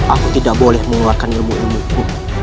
aku tidak boleh mengeluarkan ilmu ilmu itu